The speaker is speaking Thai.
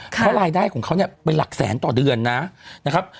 เพราะรายได้ของเขาเนี่ยเป็นหลักแสนต่อเดือนนะครับ